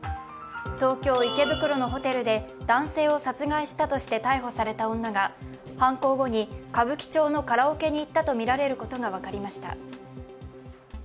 東京・池袋のホテルで男性を殺害したとして逮捕された女が犯行後に歌舞伎町のカラオケに行ったとみられることが分かりました。